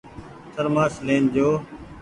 ٿرمآش لين جو۔